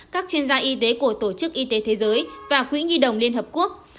các chuyên gia y tế của tổ chức y tế thế giới và quỹ nhi đồng liên hợp quốc